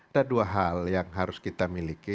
ada dua hal yang harus kita miliki